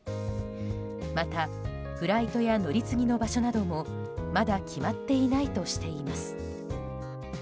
また、フライトや乗り継ぎの場所などもまだ決まっていないとしています。